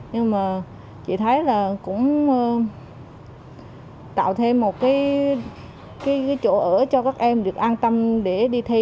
nhưng mà chị thấy là cũng tạo thêm một cái chỗ ở cho các em được an tâm để đi thi